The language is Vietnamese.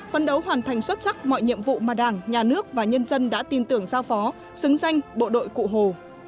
phân đấu hoàn thành xuất sắc mọi nhiệm vụ mà đảng nhà nước và nhân dân đã tin tưởng giao phó xứng danh bộ đội cụ hồ